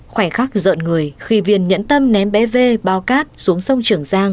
khoảnh khắc giận người khi viên nhẫn tâm ném bé v bao cát xuống sông trưởng giang